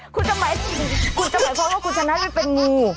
คุณจะหมายความว่าคุณชนะไปเป็นงู